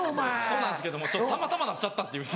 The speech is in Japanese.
そうなんですけどもたまたまなっちゃったっていう。